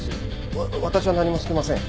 わ私は何もしてません。